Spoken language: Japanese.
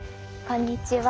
こんにちは。